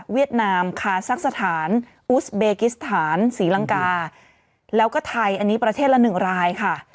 นามคาซักสถานอุสเบกิสถานศรีลังกาแล้วก็ไทยอันนี้ประเทศละ๑รายค่ะ